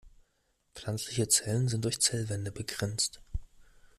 Pflanzliche Zellen sind durch Zellwände begrenzt.